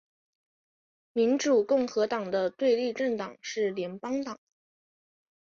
民主共和党的对立政党是联邦党。